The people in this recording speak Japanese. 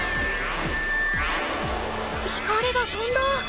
光がとんだ！